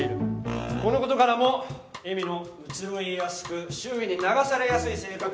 このことからも恵美の移ろいやすく周囲に流されやすい性格がよく分かると思う。